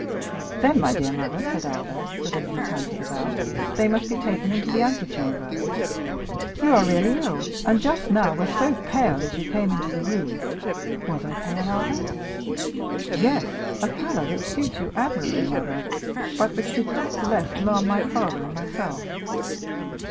"Then, my dear mother," said Albert, putting his hand to the bell, "they must be taken into the antechamber. You are really ill, and just now were so pale as you came into the room——" "Was I pale, Albert?" "Yes; a pallor that suits you admirably, mother, but which did not the less alarm my father and myself."